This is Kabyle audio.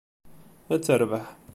Ad terbeḥ.